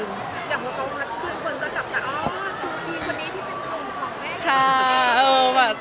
อย่างพวกเขาพัดขึ้นควรจะจับว่าอ๋อคือพี่คนนี้ที่เป็นคนของแม่